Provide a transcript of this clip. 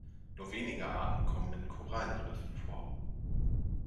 Nur wenige Arten kommen in Korallenriffen vor.